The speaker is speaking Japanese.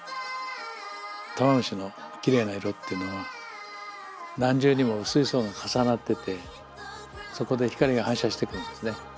玉虫のきれいな色っていうのは何重にも薄い層が重なっててそこで光が反射してくるんですね。